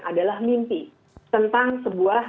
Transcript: adalah mimpi tentang sebuah